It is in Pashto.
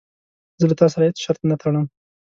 زه له تا سره هیڅ شرط نه ټړم.